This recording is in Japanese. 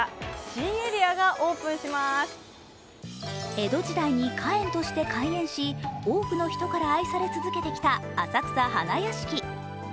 江戸時代に花園として開園し多くの人から愛され続けてきた浅草花やしき。